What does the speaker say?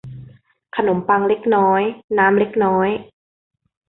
ขนมปังเล็กน้อยน้ำเล็กน้อย